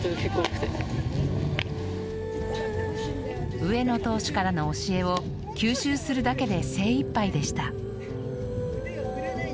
上野投手からの教えを吸収するだけで精いっぱいでした。